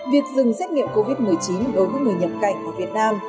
việc dừng xét nghiệm covid một mươi chín đối với người nhập cạnh ở việt nam